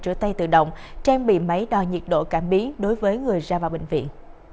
rửa tay tự động trang bị máy đo nhiệt độ cảm biến đối với người ra vào bệnh viện